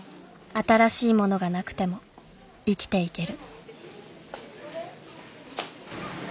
新しい物がなくても生きていける。